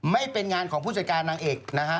ไม่เป็นงานของผู้จัดการนางเอกนะฮะ